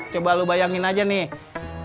coba lo bayangin aja nih